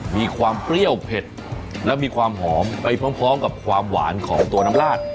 มีความเปรี้ยวเผ็ดและมีความหอมไปพร้อมกับความหวานของตัวน้ำลาด